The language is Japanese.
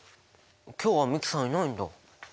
今日は美樹さんいないんだ。